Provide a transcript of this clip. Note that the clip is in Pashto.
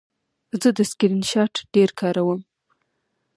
زه د سکرین شاټ ډېر کاروم.